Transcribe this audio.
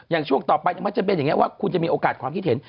อย่างช่วงต่อไปก็จะเป็นอย่างนี้คุณจะมีโอกาสความคิดเห็น